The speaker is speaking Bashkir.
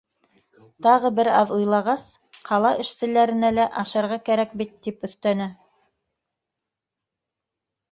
Тағы бер аҙ уйлағас: — Ҡала эшселәренә лә ашарға кәрәк бит, — тип өҫтәне.